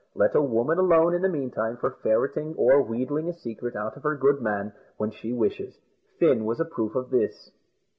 Let a woman alone, in the meantime, for ferreting or wheedling a secret out of her good man, when she wishes. Fin was a proof of this.